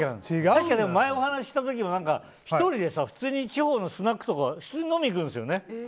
確かに、前お話しした時も１人で地方のスナックとかに普通に飲みに行くんですよね。